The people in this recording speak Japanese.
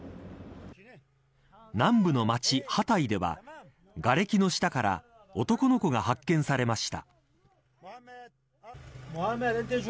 南部の町、ハタイではがれきの下から男の子が発見されました。